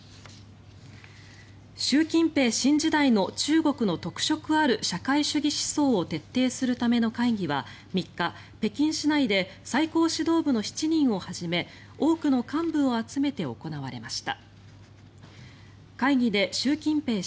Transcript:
習近平の新時代の中国の特色ある社会主義思想を徹底するための会議は３日北京市内で最高指導部の７人をはじめ多くの幹部を集めて行われました。